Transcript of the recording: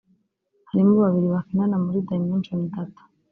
harimo babiri bakinana muri Dimension Data